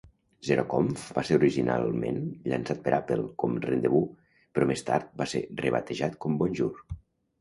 Zeroconf va ser originalment llançat per Apple com Rendezvous, però més tard va ser rebatejat com Bonjour.